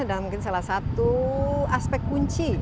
dan mungkin salah satu aspek kunci